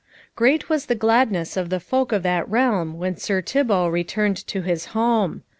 Great was the gladness of the folk of that realm when Sir Thibault returned to his home.